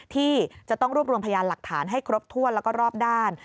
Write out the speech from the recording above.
ที่จะต้องรวบรวมพยานหลักฐานให้ครบถ้วนแล้วก็รอบด้าน